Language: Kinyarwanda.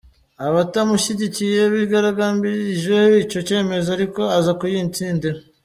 Abatamushyigikiye bigaragambirije icyo cyemezo ariko aza kuyitsindira.